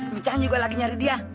micahan juga lagi nyari dia